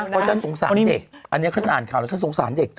เพราะฉันสงสารเด็กอันนี้เขาจะอ่านข่าวแล้วเขาจะสงสารเด็กเธอ